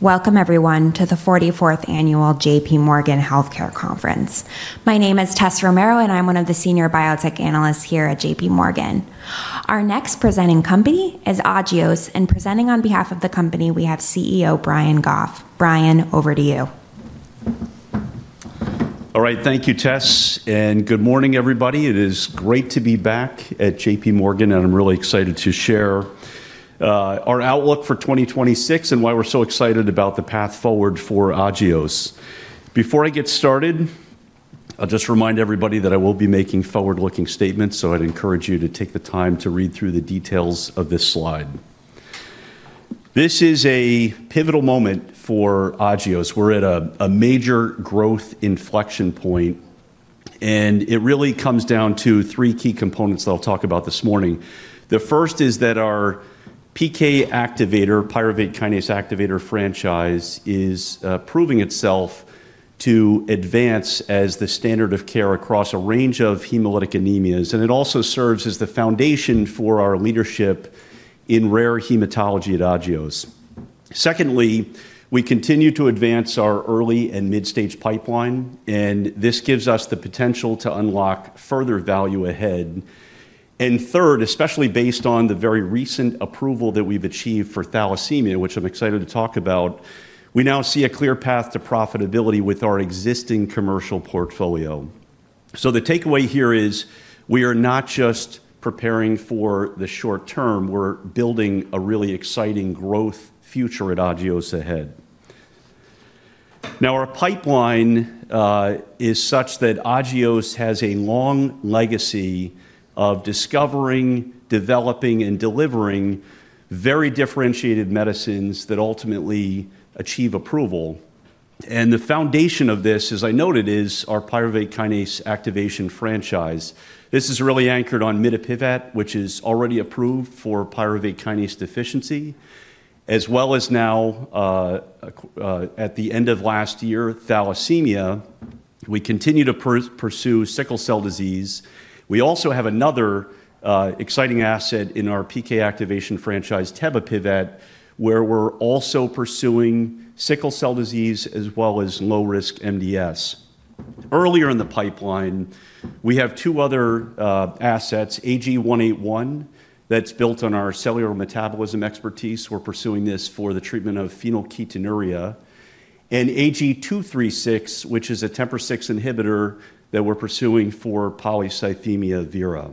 Welcome, everyone, to the 44th Annual JPMorgan Healthcare Conference. My name is Tessa Romero, and I'm one of the Senior Biotech Analysts here at JPMorgan. Our next presenting company is Agios, and presenting on behalf of the company, we have CEO Brian Goff. Brian, over to you. All right, thank you, Tess, and good morning, everybody. It is great to be back at JPMorgan, and I'm really excited to share our outlook for 2026 and why we're so excited about the path forward for Agios. Before I get started, I'll just remind everybody that I will be making forward-looking statements, so I'd encourage you to take the time to read through the details of this slide. This is a pivotal moment for Agios. We're at a major growth inflection point, and it really comes down to three key components that I'll talk about this morning. The first is that our PK activator, pyruvate kinase activator franchise, is proving itself to advance as the standard of care across a range of hemolytic anemias, and it also serves as the foundation for our leadership in rare hematology at Agios. Secondly, we continue to advance our early and mid-stage pipeline, and this gives us the potential to unlock further value ahead, and third, especially based on the very recent approval that we've achieved for thalassemia, which I'm excited to talk about, we now see a clear path to profitability with our existing commercial portfolio. So the takeaway here is we are not just preparing for the short term. We're building a really exciting growth future at Agios ahead. Now, our pipeline is such that Agios has a long legacy of discovering, developing, and delivering very differentiated medicines that ultimately achieve approval, and the foundation of this, as I noted, is our pyruvate kinase activation franchise. This is really anchored on mitapivat, which is already approved for pyruvate kinase deficiency, as well as now, at the end of last year, thalassemia. We continue to pursue sickle cell disease. We also have another exciting asset in our PK activation franchise, tebapivat, where we're also pursuing sickle cell disease as well as low-risk MDS. Earlier in the pipeline, we have two other assets: AG-181 that's built on our cellular metabolism expertise. We're pursuing this for the treatment of phenylketonuria, and AG-236, which is a TMPRSS6 inhibitor that we're pursuing for polycythemia vera.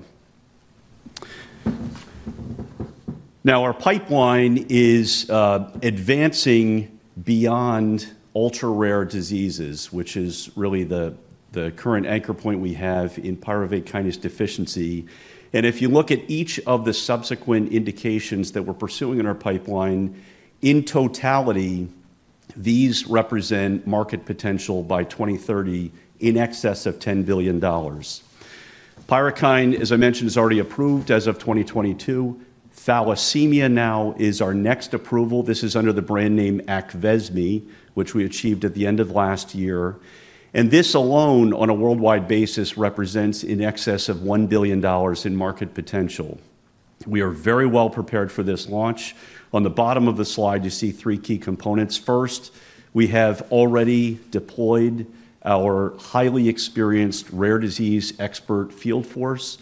Now, our pipeline is advancing beyond ultra-rare diseases, which is really the current anchor point we have in pyruvate kinase deficiency. And if you look at each of the subsequent indications that we're pursuing in our pipeline, in totality, these represent market potential by 2030 in excess of $10 billion. Pyrukynd, as I mentioned, is already approved as of 2022. Thalassemia now is our next approval. This is under the brand name Aqvesme, which we achieved at the end of last year. And this alone, on a worldwide basis, represents in excess of $1 billion in market potential. We are very well prepared for this launch. On the bottom of the slide, you see three key components. First, we have already deployed our highly experienced rare disease expert field force.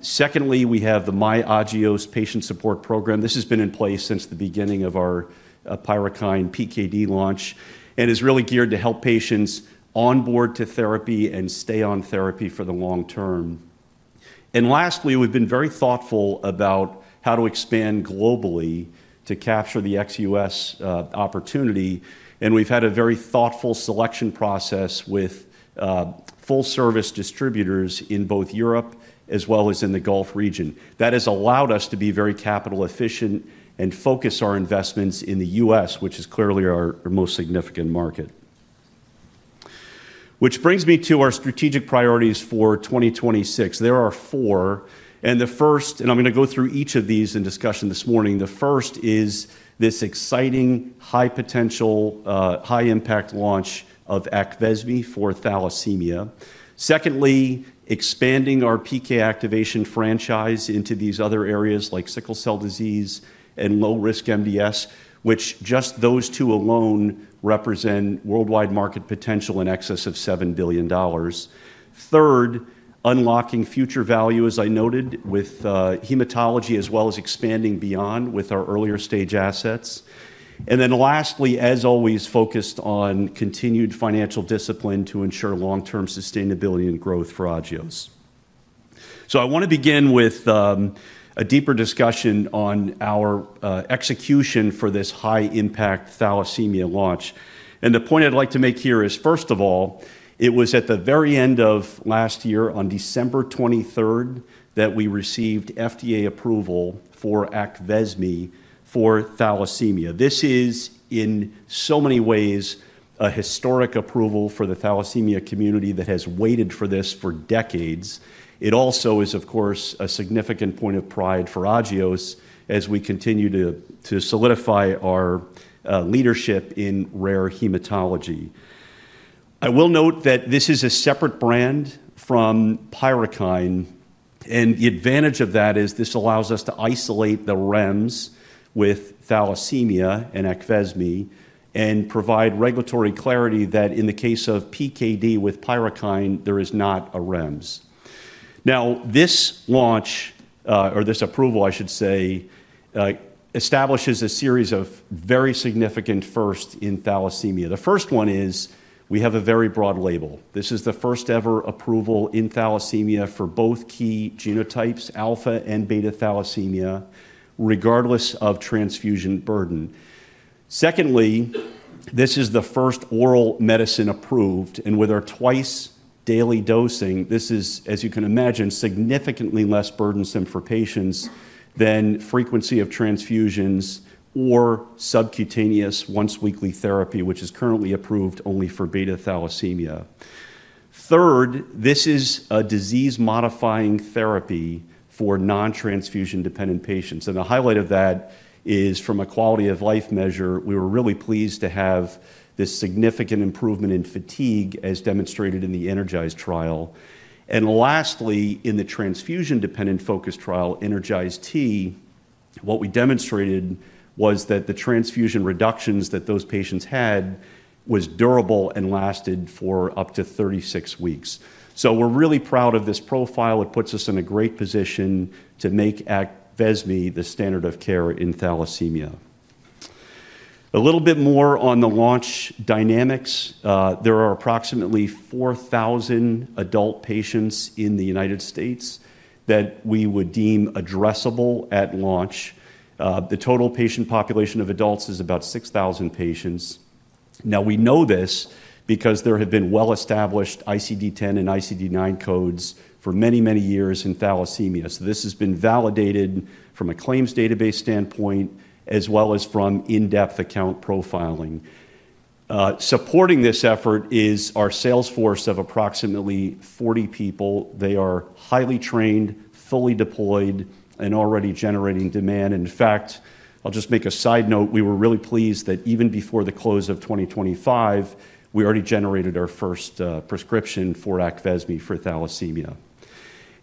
Secondly, we have the myAgios Patient Support Program. This has been in place since the beginning of our Pyrukynd PKD launch and is really geared to help patients onboard to therapy and stay on therapy for the long term. And lastly, we've been very thoughtful about how to expand globally to capture the ex-U.S. opportunity, and we've had a very thoughtful selection process with full-service distributors in both Europe as well as in the Gulf region. That has allowed us to be very capital efficient and focus our investments in the U.S., which is clearly our most significant market. Which brings me to our strategic priorities for 2026. There are four, and the first, and I'm going to go through each of these in discussion this morning. The first is this exciting high potential, high impact launch of Aqvesme for thalassemia. Secondly, expanding our PK activation franchise into these other areas like sickle cell disease and low-risk MDS, which just those two alone represent worldwide market potential in excess of $7 billion. Third, unlocking future value, as I noted, with hematology as well as expanding beyond with our earlier stage assets. And then lastly, as always, focused on continued financial discipline to ensure long-term sustainability and growth for Agios. So I want to begin with a deeper discussion on our execution for this high impact thalassemia launch. The point I'd like to make here is, first of all, it was at the very end of last year, on December 23rd, that we received FDA approval for Aqvesme for thalassemia. This is, in so many ways, a historic approval for the thalassemia community that has waited for this for decades. It also is, of course, a significant point of pride for Agios as we continue to solidify our leadership in rare hematology. I will note that this is a separate brand from Pyrukynd, and the advantage of that is this allows us to isolate the REMS with thalassemia and Aqvesme and provide regulatory clarity that in the case of PKD with Pyrukynd, there is not a REMS. Now, this launch, or this approval, I should say, establishes a series of very significant firsts in thalassemia. The first one is we have a very broad label. This is the first ever approval in thalassemia for both key genotypes, alpha and beta thalassemia, regardless of transfusion burden. Secondly, this is the first oral medicine approved, and with our twice daily dosing, this is, as you can imagine, significantly less burdensome for patients than frequency of transfusions or subcutaneous once weekly therapy, which is currently approved only for beta thalassemia. Third, this is a disease-modifying therapy for non-transfusion dependent patients. And the highlight of that is from a quality of life measure, we were really pleased to have this significant improvement in fatigue as demonstrated in the ENERGIZE trial. And lastly, in the transfusion dependent focus trial, ENERGIZE-T, what we demonstrated was that the transfusion reductions that those patients had were durable and lasted for up to 36 weeks. So we're really proud of this profile. It puts us in a great position to make Aqvesme the standard of care in thalassemia. A little bit more on the launch dynamics. There are approximately 4,000 adult patients in the United States that we would deem addressable at launch. The total patient population of adults is about 6,000 patients. Now, we know this because there have been well-established ICD-10 and ICD-9 codes for many, many years in thalassemia. So this has been validated from a claims database standpoint as well as from in-depth account profiling. Supporting this effort is our sales force of approximately 40 people. They are highly trained, fully deployed, and already generating demand. In fact, I'll just make a side note. We were really pleased that even before the close of 2025, we already generated our first prescription for Aqvesme for thalassemia.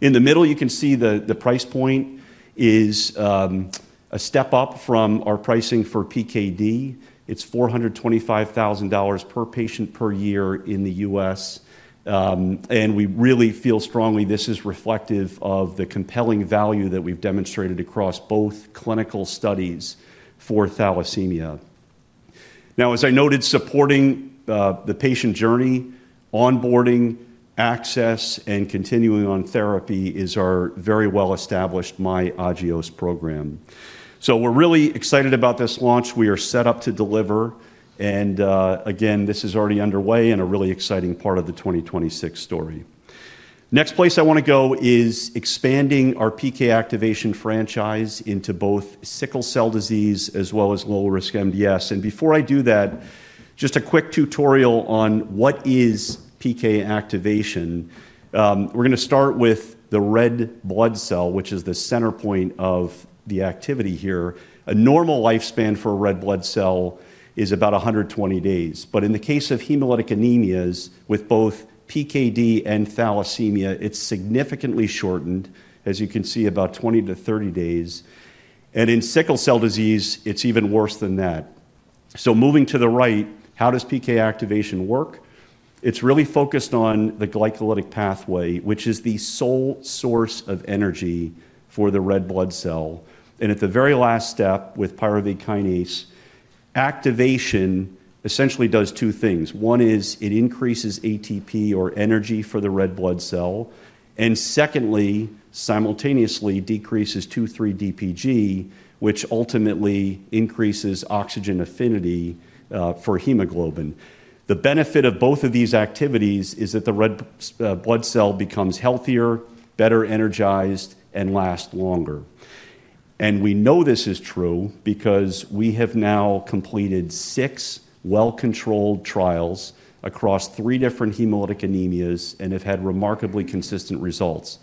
In the middle, you can see the price point is a step up from our pricing for PKD. It's $425,000 per patient per year in the U.S., and we really feel strongly this is reflective of the compelling value that we've demonstrated across both clinical studies for thalassemia. Now, as I noted, supporting the patient journey, onboarding, access, and continuing on therapy is our very well-established myAgios program. So we're really excited about this launch. We are set up to deliver, and again, this is already underway and a really exciting part of the 2026 story. Next place I want to go is expanding our PK activation franchise into both sickle cell disease as well as low-risk MDS. And before I do that, just a quick tutorial on what is PK activation. We're going to start with the red blood cell, which is the center point of the activity here. A normal lifespan for a red blood cell is about 120 days, but in the case of hemolytic anemias with both PKD and thalassemia, it's significantly shortened, as you can see, about 20 to 30 days, and in sickle cell disease, it's even worse than that, so moving to the right, how does PK activation work? It's really focused on the glycolytic pathway, which is the sole source of energy for the red blood cell, and at the very last step with pyruvate kinase, activation essentially does two things. One is it increases ATP, or energy for the red blood cell, and secondly, simultaneously decreases 2,3-DPG, which ultimately increases oxygen affinity for hemoglobin. The benefit of both of these activities is that the red blood cell becomes healthier, better energized, and lasts longer, and we know this is true because we have now completed six well-controlled trials across three different hemolytic anemias and have had remarkably consistent results.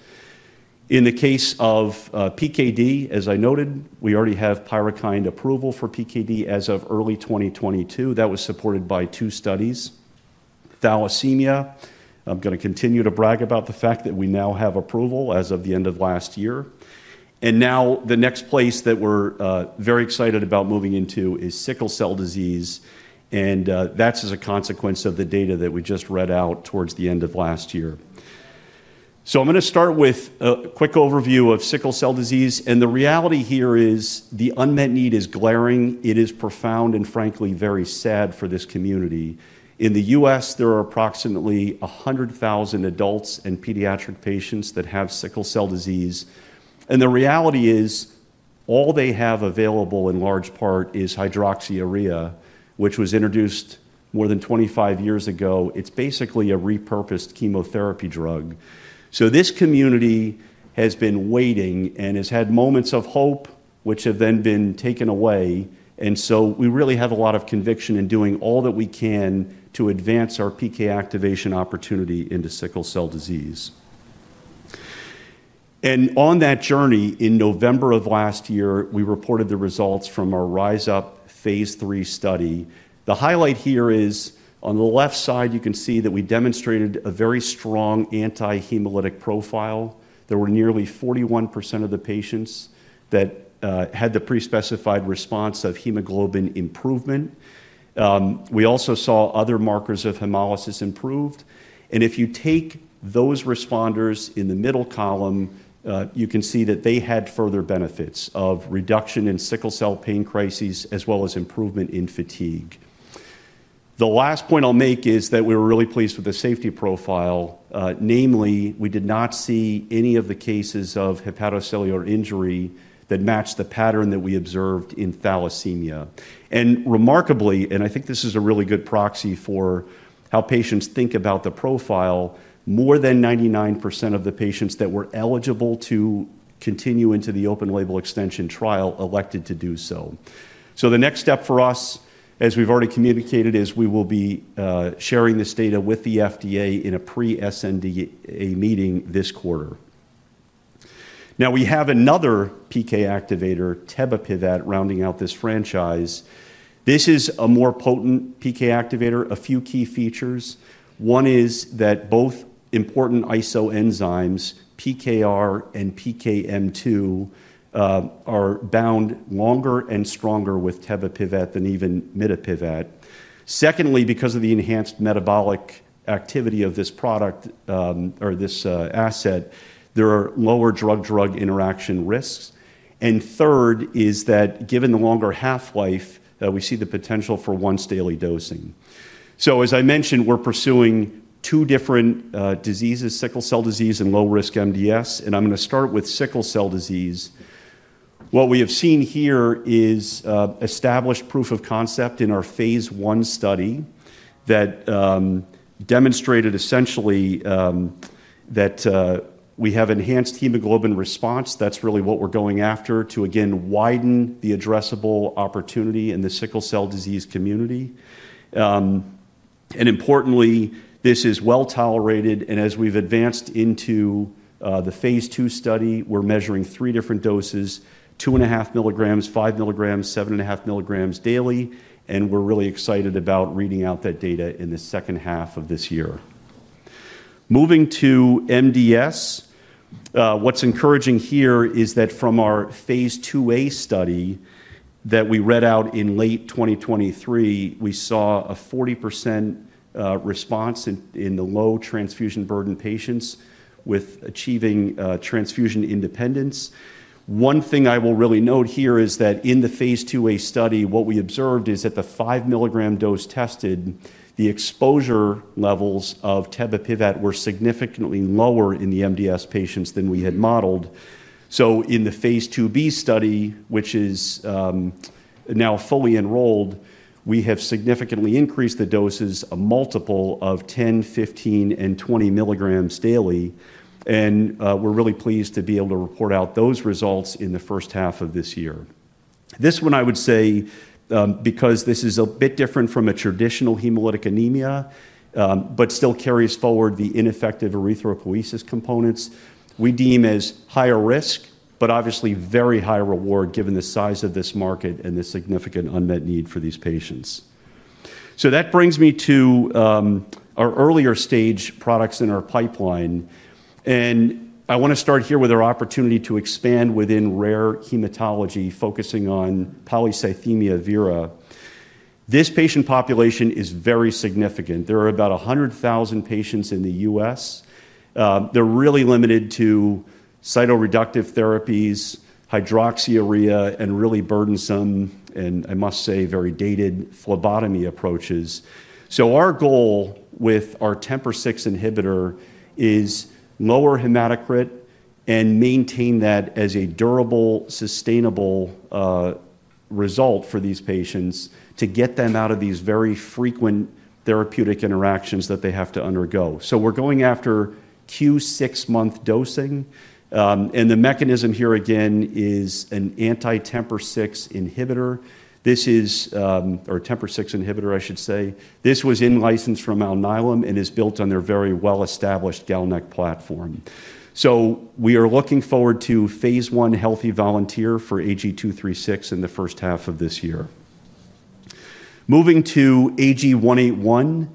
In the case of PKD, as I noted, we already have Pyrukynd approval for PKD as of early 2022. That was supported by two studies. Thalassemia, I'm going to continue to brag about the fact that we now have approval as of the end of last year, and now the next place that we're very excited about moving into is sickle cell disease, and that's as a consequence of the data that we just read out towards the end of last year, so I'm going to start with a quick overview of sickle cell disease, and the reality here is the unmet need is glaring. It is profound and, frankly, very sad for this community. In the U.S., there are approximately 100,000 adults and pediatric patients that have sickle cell disease, and the reality is all they have available in large part is hydroxyurea, which was introduced more than 25 years ago. It's basically a repurposed chemotherapy drug. So this community has been waiting and has had moments of hope, which have then been taken away, and so we really have a lot of conviction in doing all that we can to advance our PK activation opportunity into sickle cell disease. And on that journey, in November of last year, we reported the results from our RISE UP Phase 3 study. The highlight here is on the left side, you can see that we demonstrated a very strong anti-hemolytic profile. There were nearly 41% of the patients that had the pre-specified response of hemoglobin improvement. We also saw other markers of hemolysis improved, and if you take those responders in the middle column, you can see that they had further benefits of reduction in sickle cell pain crises as well as improvement in fatigue. The last point I'll make is that we were really pleased with the safety profile, namely, we did not see any of the cases of hepatocellular injury that matched the pattern that we observed in thalassemia, and remarkably, and I think this is a really good proxy for how patients think about the profile, more than 99% of the patients that were eligible to continue into the open label extension trial elected to do so, so the next step for us, as we've already communicated, is we will be sharing this data with the FDA in a pre-sNDA meeting this quarter. Now, we have another PK activator, tebapivat, rounding out this franchise. This is a more potent PK activator. A few key features. One is that both important isoenzymes, PKR and PKM2, are bound longer and stronger with tebapivat than even mitapivat. Secondly, because of the enhanced metabolic activity of this product or this asset, there are lower drug-drug interaction risks, and third is that given the longer half-life, we see the potential for once daily dosing, so, as I mentioned, we're pursuing two different diseases, sickle cell disease and low-risk MDS, and I'm going to start with sickle cell disease. What we have seen here is established proof of concept in our Phase 1 study that demonstrated essentially that we have enhanced hemoglobin response. That's really what we're going after to, again, widen the addressable opportunity in the sickle cell disease community. Importantly, this is well tolerated, and as we've advanced into the Phase 2 study, we're measuring three different doses: 2.5 milligrams, 5 milligrams, 7.5 milligrams daily, and we're really excited about reading out that data in the second half of this year. Moving to MDS, what's encouraging here is that from our Phase 2a study that we read out in late 2023, we saw a 40% response in the low transfusion burden patients with achieving transfusion independence. One thing I will really note here is that in the Phase 2a study, what we observed is at the 5 milligram dose tested, the exposure levels of tebapivat were significantly lower in the MDS patients than we had modeled. So in the Phase 2b study, which is now fully enrolled, we have significantly increased the doses a multiple of 10, 15, and 20 milligrams daily, and we're really pleased to be able to report out those results in the first half of this year. This one, I would say, because this is a bit different from a traditional hemolytic anemia, but still carries forward the ineffective erythropoiesis components, we deem as higher risk, but obviously very high reward given the size of this market and the significant unmet need for these patients. So that brings me to our earlier stage products in our pipeline, and I want to start here with our opportunity to expand within rare hematology, focusing on polycythemia vera. This patient population is very significant. There are about 100,000 patients in the U.S. They're really limited to cytoreductive therapies, hydroxyurea, and really burdensome, and I must say very dated phlebotomy approaches. So our goal with our TMPRSS6 inhibitor is lower hematocrit and maintain that as a durable, sustainable result for these patients to get them out of these very frequent therapeutic interactions that they have to undergo. So we're going after Q6 month dosing, and the mechanism here again is an anti-TMPRSS6 inhibitor. This is, or TMPRSS6 inhibitor, I should say. This was in-licensed from Alnylam and is built on their very well-established GalNAc platform. So we are looking forward to phase one healthy volunteer for AG236 in the first half of this year. Moving to AG181,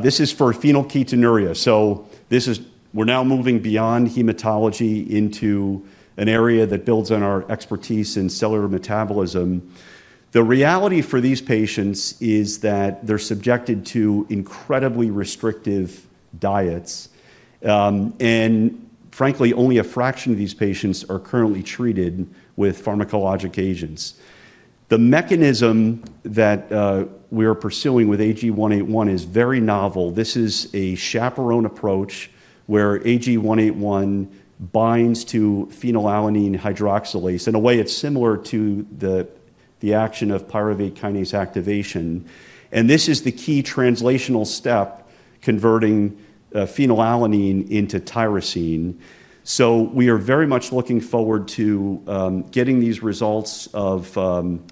this is for phenylketonuria. So this is, we're now moving beyond hematology into an area that builds on our expertise in cellular metabolism. The reality for these patients is that they're subjected to incredibly restrictive diets, and frankly, only a fraction of these patients are currently treated with pharmacologic agents. The mechanism that we are pursuing with AG-181 is very novel. This is a chaperone approach where AG-181 binds to phenylalanine hydroxylase. In a way, it's similar to the action of pyruvate kinase activation, and this is the key translational step, converting phenylalanine into tyrosine, so we are very much looking forward to getting these results of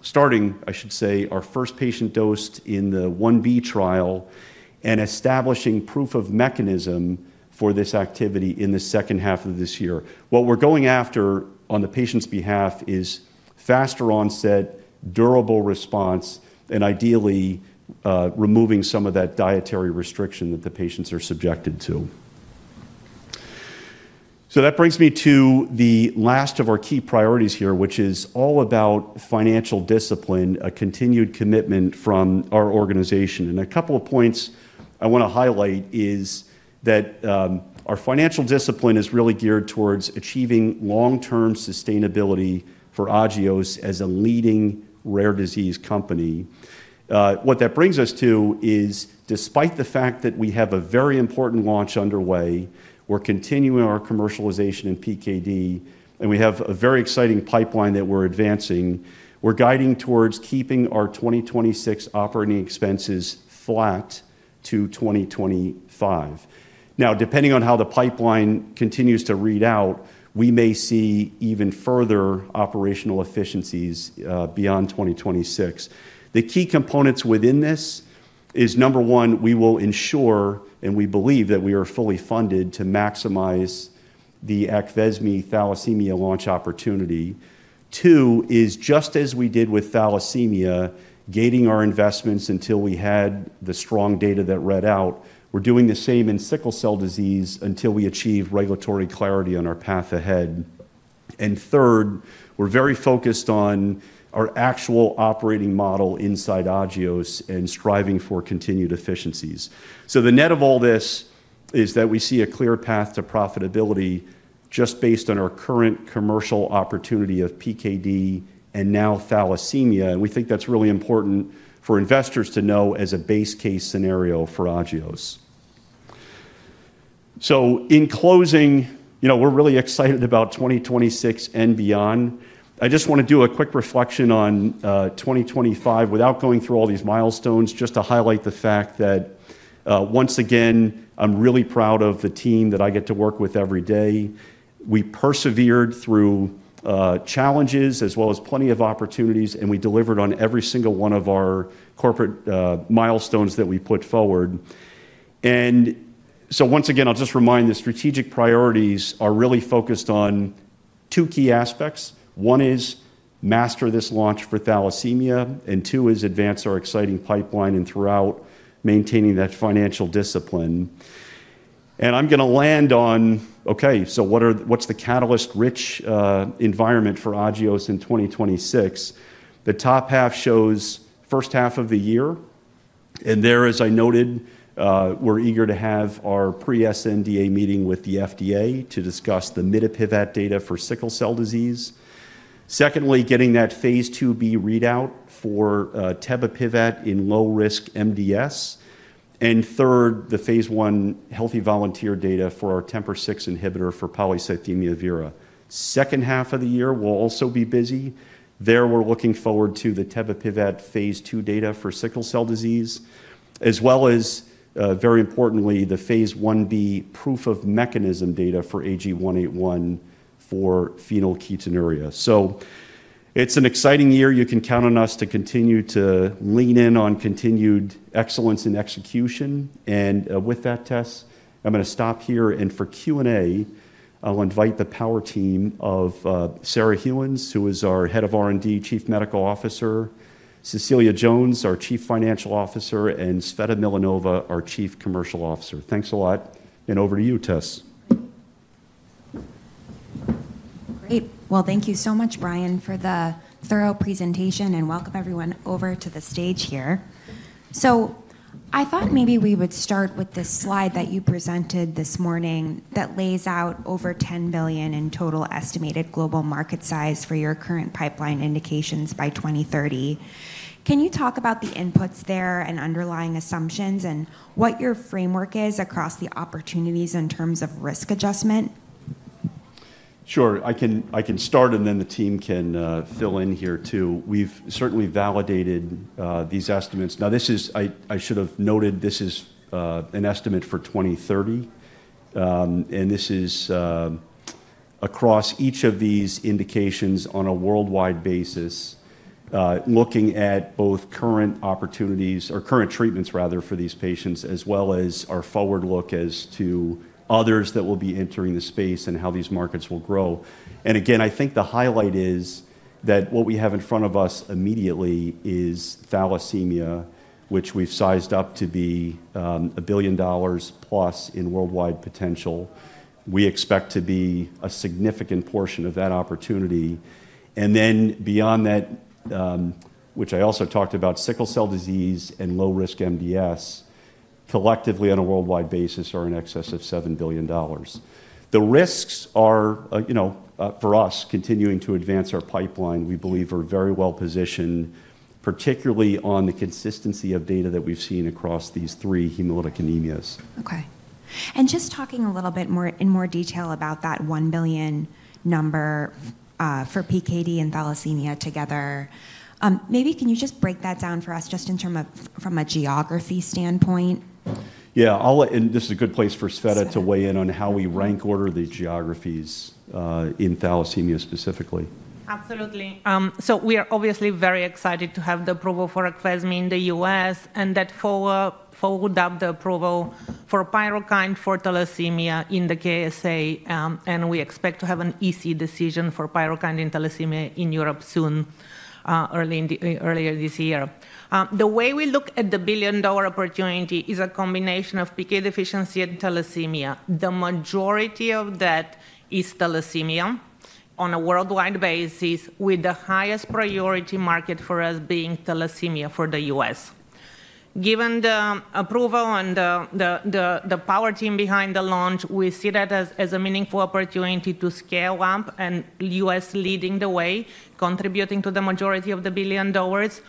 starting, I should say, our first patient dosed in the 1b trial and establishing proof of mechanism for this activity in the second half of this year. What we're going after on the patient's behalf is faster onset, durable response, and ideally removing some of that dietary restriction that the patients are subjected to. So that brings me to the last of our key priorities here, which is all about financial discipline, a continued commitment from our organization. And a couple of points I want to highlight is that our financial discipline is really geared towards achieving long-term sustainability for Agios as a leading rare disease company. What that brings us to is, despite the fact that we have a very important launch underway, we're continuing our commercialization in PKD, and we have a very exciting pipeline that we're advancing. We're guiding towards keeping our 2026 operating expenses flat to 2025. Now, depending on how the pipeline continues to read out, we may see even further operational efficiencies beyond 2026. The key components within this is, number one, we will ensure, and we believe that we are fully funded to maximize the Aqvesme thalassemia launch opportunity. Two is, just as we did with thalassemia, gating our investments until we had the strong data that read out. We're doing the same in sickle cell disease until we achieve regulatory clarity on our path ahead. And third, we're very focused on our actual operating model inside Agios and striving for continued efficiencies. So the net of all this is that we see a clear path to profitability just based on our current commercial opportunity of PKD and now thalassemia, and we think that's really important for investors to know as a base case scenario for Agios. So in closing, you know, we're really excited about 2026 and beyond. I just want to do a quick reflection on 2025 without going through all these milestones, just to highlight the fact that once again, I'm really proud of the team that I get to work with every day. We persevered through challenges as well as plenty of opportunities, and we delivered on every single one of our corporate milestones that we put forward. And so once again, I'll just remind. The strategic priorities are really focused on two key aspects. One is master this launch for thalassemia, and two is advance our exciting pipeline and throughout maintaining that financial discipline. And I'm going to land on, okay, so what's the catalyst-rich environment for Agios in 2026? The top half shows first half of the year, and there, as I noted, we're eager to have our pre-sNDA meeting with the FDA to discuss the mitapivat data for sickle cell disease. Secondly, getting that Phase 2b readout for tebapivat in low-risk MDS. And third, the Phase 1 healthy volunteer data for our TMPRSS6 inhibitor for polycythemia vera. Second half of the year will also be busy. So, we're looking forward to the tebapivat Phase 2 data for sickle cell disease, as well as, very importantly, the Phase 1b proof of mechanism data for AG-181 for phenylketonuria. It's an exciting year. You can count on us to continue to lean in on continued excellence and execution. And with that, Tess, I'm going to stop here, and for Q and A, I'll invite the power team of Sarah Gheuens, who is our Head of R&D, Chief Medical Officer, Cecilia Jones, our Chief Financial Officer, and Tsveta Milanova, our Chief Commercial Officer. Thanks a lot, and over to you, Tess. Great. Well, thank you so much, Brian, for the thorough presentation, and welcome everyone over to the stage here. So I thought maybe we would start with this slide that you presented this morning that lays out over $10 billion in total estimated global market size for your current pipeline indications by 2030. Can you talk about the inputs there and underlying assumptions and what your framework is across the opportunities in terms of risk adjustment? Sure. I can start, and then the team can fill in here too. We've certainly validated these estimates. Now, this is, I should have noted, this is an estimate for 2030, and this is across each of these indications on a worldwide basis, looking at both current opportunities or current treatments, rather, for these patients, as well as our forward look as to others that will be entering the space and how these markets will grow. And again, I think the highlight is that what we have in front of us immediately is thalassemia, which we've sized up to be $1 billion plus in worldwide potential. We expect to be a significant portion of that opportunity. And then beyond that, which I also talked about, sickle cell disease and low-risk MDS collectively on a worldwide basis are in excess of $7 billion. The risks are, you know, for us, continuing to advance our pipeline, we believe, are very well positioned, particularly on the consistency of data that we've seen across these three hemolytic anemias. Okay. And just talking a little bit more in more detail about that $1 billion number for PKD and thalassemia together, maybe can you just break that down for us just in terms of from a geography standpoint? Yeah, and this is a good place for Tsveta to weigh in on how we rank order the geographies in thalassemia specifically. Absolutely. So we are obviously very excited to have the approval for Aqvesme in the U.S. and that followed the approval for Pyrukynd for thalassemia in the KSA, and we expect to have an EMA decision for Pyrukynd and thalassemia in Europe soon, early this year. The way we look at the billion dollar opportunity is a combination of PK deficiency and thalassemia. The majority of that is thalassemia on a worldwide basis, with the highest priority market for us being thalassemia for the U.S. Given the approval and the power team behind the launch, we see that as a meaningful opportunity to scale up, and the U.S. leading the way, contributing to the majority of the billion dollars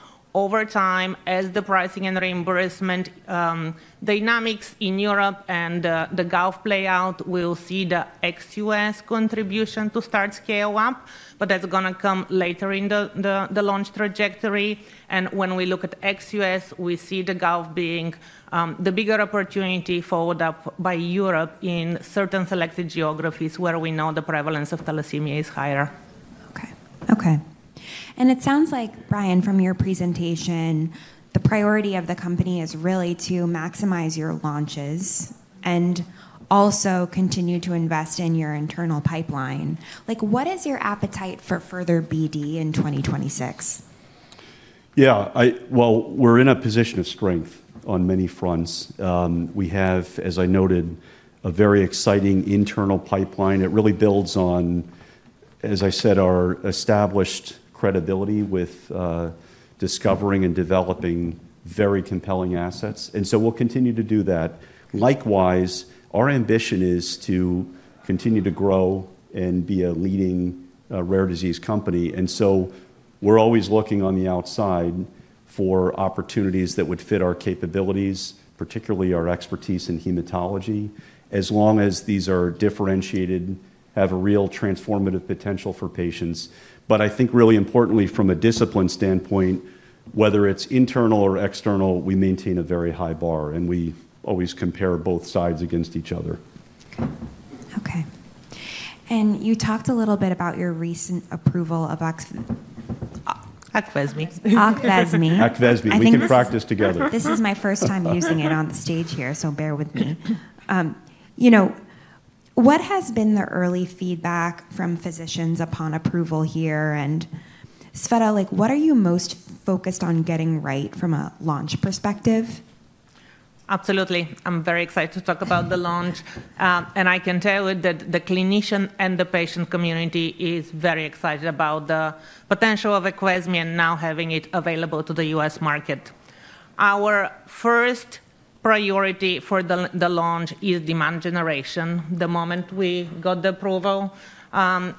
over time as the pricing and reimbursement dynamics in Europe and the Gulf play out. We'll see the ex-U.S contribution to start to scale up, but that's going to come later in the launch trajectory, and when we look at ex-U.S., we see the Gulf being the bigger opportunity followed up by Europe in certain selected geographies where we know the prevalence of thalassemia is higher. Okay. Okay. And it sounds like, Brian, from your presentation, the priority of the company is really to maximize your launches and also continue to invest in your internal pipeline. Like, what is your appetite for further PKD in 2026? Yeah, well, we're in a position of strength on many fronts. We have, as I noted, a very exciting internal pipeline that really builds on, as I said, our established credibility with discovering and developing very compelling assets. And so we'll continue to do that. Likewise, our ambition is to continue to grow and be a leading rare disease company. And so we're always looking on the outside for opportunities that would fit our capabilities, particularly our expertise in hematology, as long as these are differentiated, have a real transformative potential for patients. But I think really importantly, from a discipline standpoint, whether it's internal or external, we maintain a very high bar, and we always compare both sides against each other. Okay, and you talked a little bit about your recent approval of Aqvesme. Aqvesme. Aqvesme. We can practice together. This is my first time using it on the stage here, so bear with me. You know, what has been the early feedback from physicians upon approval here? And Tsveta, like, what are you most focused on getting right from a launch perspective? Absolutely. I'm very excited to talk about the launch, and I can tell you that the clinician and the patient community is very excited about the potential of Aqvesme and now having it available to the U.S. market. Our first priority for the launch is demand generation. The moment we got the approval on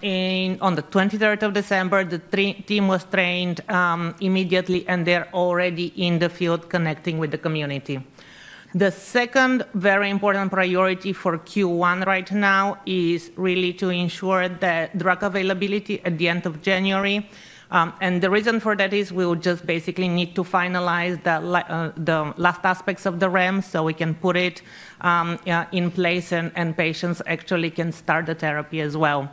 the 23rd of December, the team was trained immediately, and they're already in the field connecting with the community. The second very important priority for Q1 right now is really to ensure that drug availability at the end of January. The reason for that is we will just basically need to finalize the last aspects of the REMS so we can put it in place and patients actually can start the therapy as well.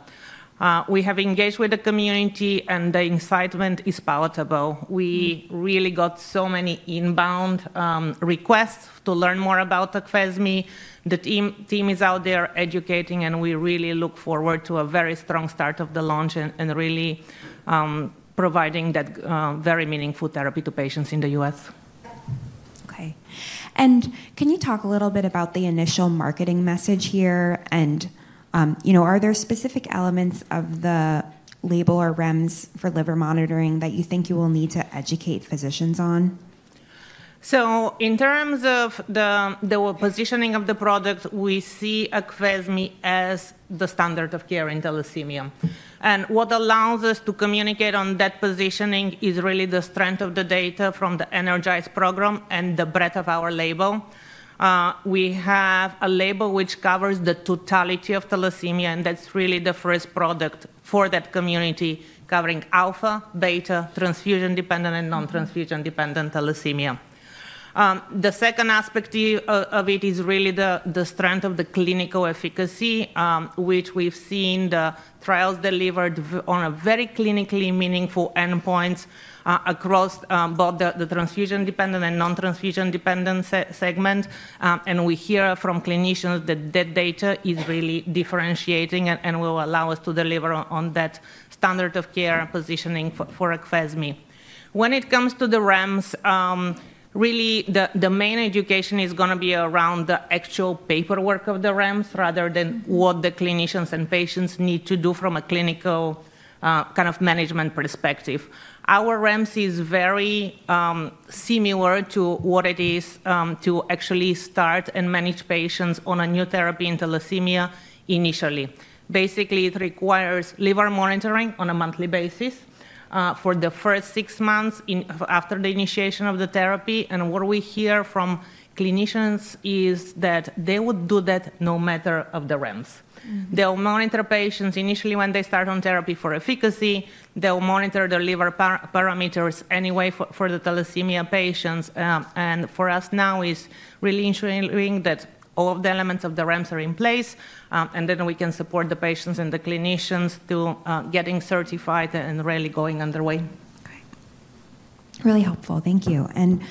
We have engaged with the community, and the excitement is palpable. We really got so many inbound requests to learn more about Aqvesme. The team is out there educating, and we really look forward to a very strong start of the launch and really providing that very meaningful therapy to patients in the U.S. Okay. And can you talk a little bit about the initial marketing message here? And, you know, are there specific elements of the label or REMS for liver monitoring that you think you will need to educate physicians on? So in terms of the positioning of the product, we see Aqvesme as the standard of care in thalassemia. And what allows us to communicate on that positioning is really the strength of the data from the ENERGIZE program and the breadth of our label. We have a label which covers the totality of thalassemia, and that's really the first product for that community covering alpha, beta, transfusion dependent, and non-transfusion dependent thalassemia. The second aspect of it is really the strength of the clinical efficacy, which we've seen the trials delivered on a very clinically meaningful endpoints across both the transfusion dependent and non-transfusion dependent segment. And we hear from clinicians that that data is really differentiating and will allow us to deliver on that standard of care positioning for Aqvesme. When it comes to the REMS, really the main education is going to be around the actual paperwork of the REMS rather than what the clinicians and patients need to do from a clinical kind of management perspective. Our REMS is very similar to what it is to actually start and manage patients on a new therapy in thalassemia initially. Basically, it requires liver monitoring on a monthly basis for the first six months after the initiation of the therapy, and what we hear from clinicians is that they would do that no matter the REMS. They'll monitor patients initially when they start on therapy for efficacy. They'll monitor the liver parameters anyway for the thalassemia patients. For us now, it's really ensuring that all of the elements of the REMS are in place, and then we can support the patients and the clinicians to getting certified and really going underway. Okay. Really helpful. Thank you. And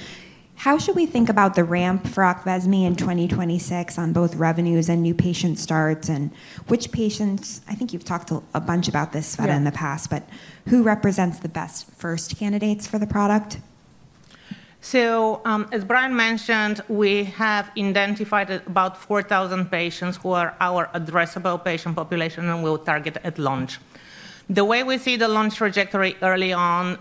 how should we think about the REMS for Aqvesme in 2026 on both revenues and new patient starts? And which patients, I think you've talked a bunch about this, Tsveta, in the past, but who represents the best first candidates for the product? So, as Brian mentioned, we have identified about 4,000 patients who are our addressable patient population and we'll target at launch. The way we see the launch trajectory early on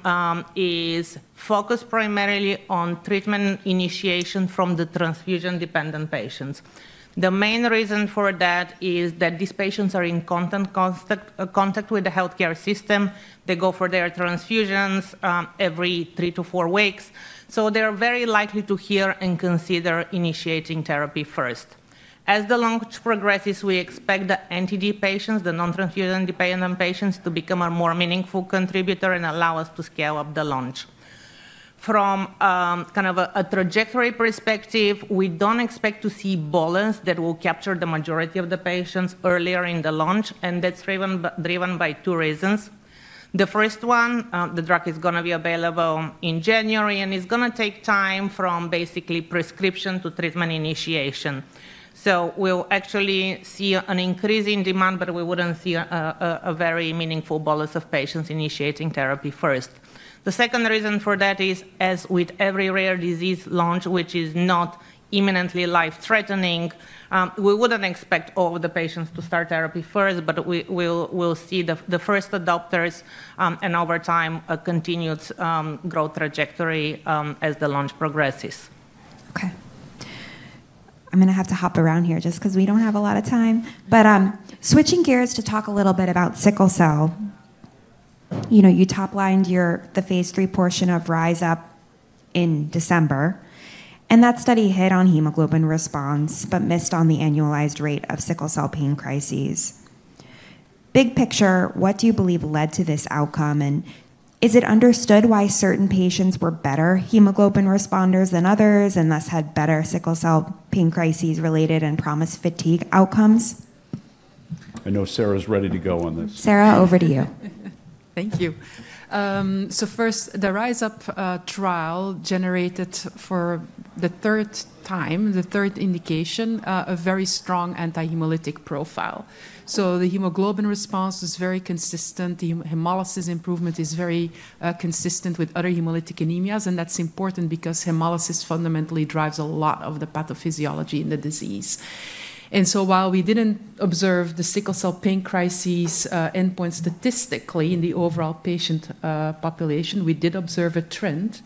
is focused primarily on treatment initiation from the transfusion-dependent patients. The main reason for that is that these patients are in constant contact with the healthcare system. They go for their transfusions every three to four weeks, so they're very likely to hear and consider initiating therapy first. As the launch progresses, we expect the NTD patients, the non-transfusion-dependent patients, to become a more meaningful contributor and allow us to scale up the launch. From kind of a trajectory perspective, we don't expect to see blockers that will capture the majority of the patients earlier in the launch, and that's driven by two reasons. The first one, the drug is going to be available in January, and it's going to take time from basically prescription to treatment initiation. So we'll actually see an increase in demand, but we wouldn't see a very meaningful bolus of patients initiating therapy first. The second reason for that is, as with every rare disease launch, which is not imminently life-threatening, we wouldn't expect all of the patients to start therapy first, but we'll see the first adopters and over time a continued growth trajectory as the launch progresses. Okay. I'm going to have to hop around here just because we don't have a lot of time. But switching gears to talk a little bit about sickle cell. You know, you toplined the Phase 3 portion of RISE UP in December, and that study hit on hemoglobin response but missed on the annualized rate of sickle cell pain crises. Big picture, what do you believe led to this outcome? And is it understood why certain patients were better hemoglobin responders than others and thus had better sickle cell pain crises related and promised fatigue outcomes? I know Sarah's ready to go on this. Sarah, over to you. Thank you. So first, the RISE UP trial generated for the third time, the third indication, a very strong anti-hemolytic profile. So the hemoglobin response is very consistent. The hemolysis improvement is very consistent with other hemolytic anemias, and that's important because hemolysis fundamentally drives a lot of the pathophysiology in the disease. And so while we didn't observe the sickle cell pain crises endpoints statistically in the overall patient population, we did observe a trend.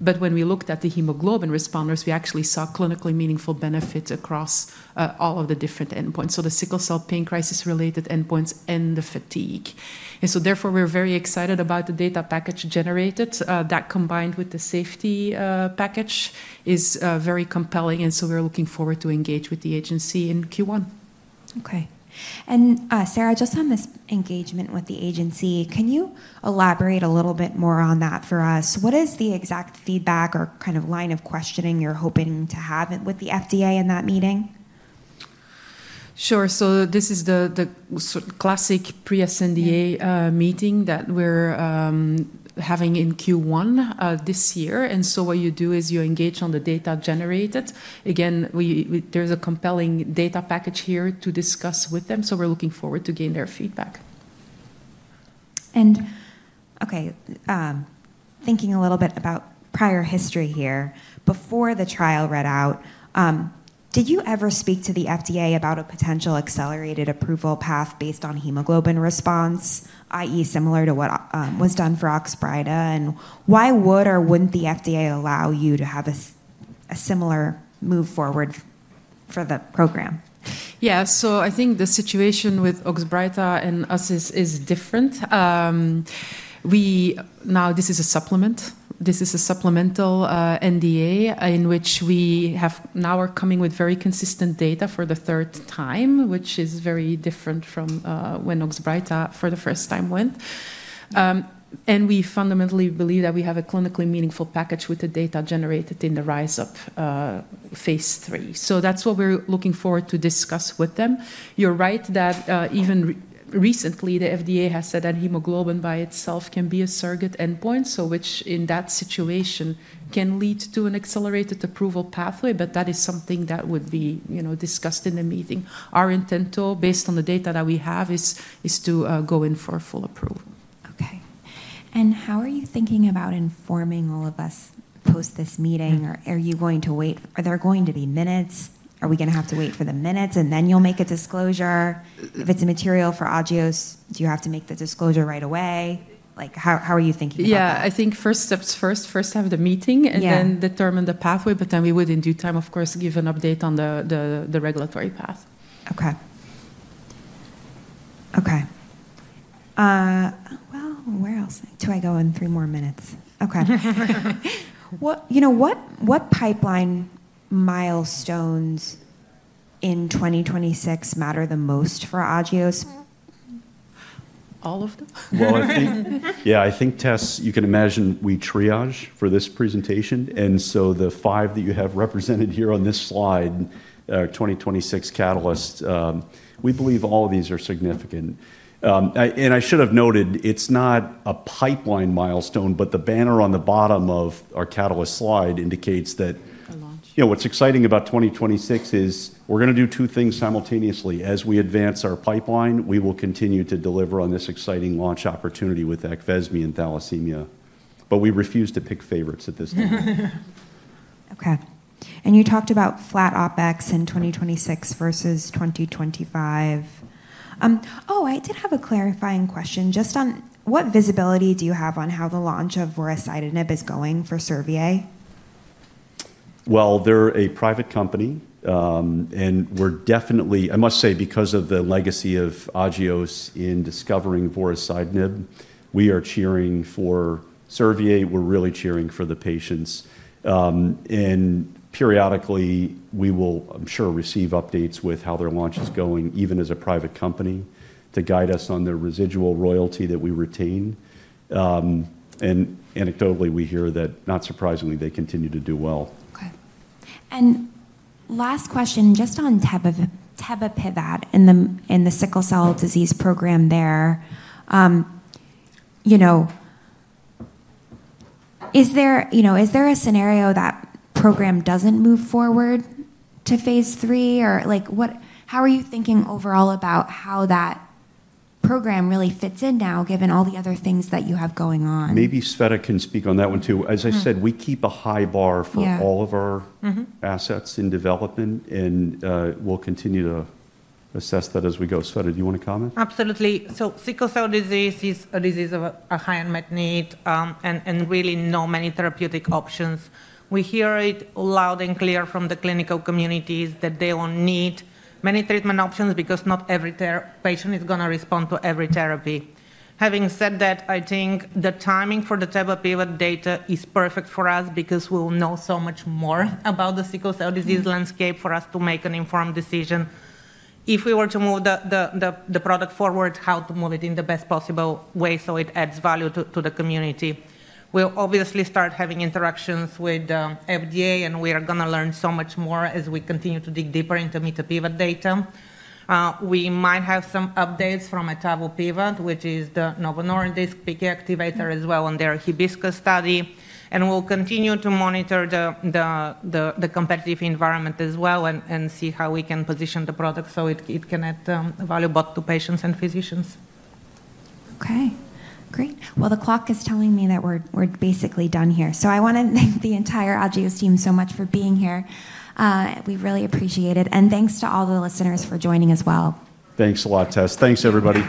But when we looked at the hemoglobin responders, we actually saw clinically meaningful benefits across all of the different endpoints, so the sickle cell pain crisis related endpoints and the fatigue. And so therefore, we're very excited about the data package generated. That combined with the safety package is very compelling, and so we're looking forward to engage with the agency in Q1. Okay. And Sarah, just on this engagement with the agency, can you elaborate a little bit more on that for us? What is the exact feedback or kind of line of questioning you're hoping to have with the FDA in that meeting? Sure. This is the classic pre-sNDA meeting that we're having in Q1 this year. What you do is you engage on the data generated. Again, there's a compelling data package here to discuss with them, so we're looking forward to getting their feedback. Okay, thinking a little bit about prior history here, before the trial read out, did you ever speak to the FDA about a potential accelerated approval path based on hemoglobin response, i.e., similar to what was done for Oxbryta? And why would or wouldn't the FDA allow you to have a similar move forward for the program? Yeah, so I think the situation with Oxbryta and us is different. Now, this is a supplement. This is a supplemental NDA in which we have now are coming with very consistent data for the third time, which is very different from when Oxbryta for the first time went. And we fundamentally believe that we have a clinically meaningful package with the data generated in the RISE UP Phase 3. So that's what we're looking forward to discuss with them. You're right that even recently the FDA has said that hemoglobin by itself can be a surrogate endpoint, so, which in that situation can lead to an accelerated approval pathway, but that is something that would be discussed in the meeting. Our intent though, based on the data that we have, is to go in for a full approval. Okay. And how are you thinking about informing all of us post this meeting? Are you going to wait? Are there going to be minutes? Are we going to have to wait for the minutes and then you'll make a disclosure? If it's material for Agios, do you have to make the disclosure right away? Like, how are you thinking about that? Yeah, I think first steps first, first have the meeting and then determine the pathway, but then we would, in due time, of course, give an update on the regulatory path. Okay. Okay. Well, where else do I go in three more minutes? Okay. You know, what pipeline milestones in 2026 matter the most for Agios? All of them. I think, yeah, I think that's. You can imagine we triage for this presentation. The five that you have represented here on this slide, 2026 catalysts, we believe all of these are significant. I should have noted it's not a pipeline milestone, but the banner on the bottom of our catalyst slide indicates that, you know, what's exciting about 2026 is we're going to do two things simultaneously. As we advance our pipeline, we will continue to deliver on this exciting launch opportunity with Aqvesme and thalassemia, but we refuse to pick favorites at this time. Okay. And you talked about flat OpEx in 2026 versus 2025. Oh, I did have a clarifying question just on what visibility do you have on how the launch of vorasidenib is going for Servier? They're a private company, and we're definitely, I must say, because of the legacy of Agios in discovering vorasidenib, we are cheering for Servier. We're really cheering for the patients. Periodically, we will, I'm sure, receive updates with how their launch is going, even as a private company, to guide us on the residual royalty that we retain. Anecdotally, we hear that, not surprisingly, they continue to do well. Okay. And last question, just on tebapivat and the sickle cell disease program there, you know, is there a scenario that program doesn't move forward to Phase 3? Or like, how are you thinking overall about how that program really fits in now, given all the other things that you have going on? Maybe Tsveta can speak on that one too. As I said, we keep a high bar for all of our assets in development, and we'll continue to assess that as we go. Tsveta, do you want to comment? Absolutely. So sickle cell disease is a disease of a high unmet need and really not many therapeutic options. We hear it loud and clear from the clinical communities that they will need many treatment options because not every patient is going to respond to every therapy. Having said that, I think the timing for the tebapivat data is perfect for us because we'll know so much more about the sickle cell disease landscape for us to make an informed decision. If we were to move the product forward, how to move it in the best possible way so it adds value to the community. We'll obviously start having interactions with the FDA, and we are going to learn so much more as we continue to dig deeper into tebapivat data. We might have some updates from etavopivat, which is the Novo Nordisk PK activator as well on their Hibiscus study, and we'll continue to monitor the competitive environment as well and see how we can position the product so it can add value both to patients and physicians. Okay. Great. Well, the clock is telling me that we're basically done here. So I want to thank the entire Agios team so much for being here. We really appreciate it. And thanks to all the listeners for joining as well. Thanks a lot, Tess. Thanks, everybody.